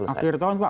akhir tahun pak